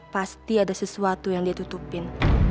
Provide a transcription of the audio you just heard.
pasti ada sesuatu yang dia tutupin